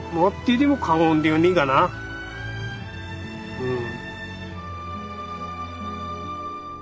うん。